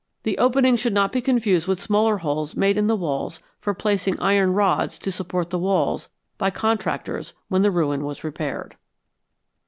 The openings should not be confused with smaller holes made in the walls for placing iron rods to support the walls by contractors when the ruin was repaired."